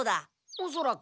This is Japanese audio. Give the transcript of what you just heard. おそらく。